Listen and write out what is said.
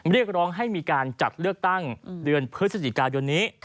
เรียกร้องให้มีการจัดเลือกตั้งเดือนพฤศจิกายนนี้